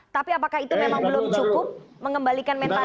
tapi apakah itu memang belum cukup mengembalikan mentalitas